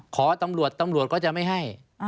ขอตำรวจตำรวจก็จะไม่ให้